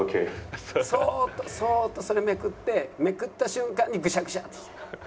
そっとそっとそれめくってめくった瞬間にぐしゃぐしゃってして。